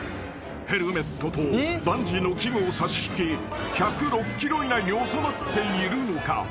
［ヘルメットとバンジーの器具を差し引き１０６ｋｇ以内に収まっているのか？］